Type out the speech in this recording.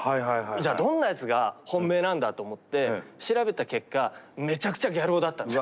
じゃあどんなやつが本命なんだと思って調べた結果めちゃくちゃギャル男だったんです。